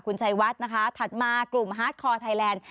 คุณชัยวัดนะคะถัดมากลุ่มฮาร์ดคอร์ไทยแลนด์